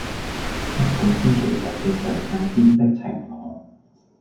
一個星期日嘅上晝天色晴朗